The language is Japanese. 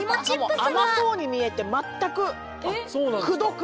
しかも甘そうに見えて全くくどくない。